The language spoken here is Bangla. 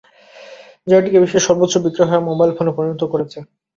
যা এটিকে বিশ্বের সর্বোচ্চ বিক্রয় হওয়া মোবাইল ফোনে পরিণত করেছে।